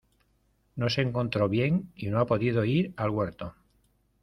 No se encontró bien y no ha podido ir al huerto.